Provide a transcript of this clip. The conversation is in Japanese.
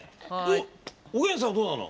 おげんさんはどうなの？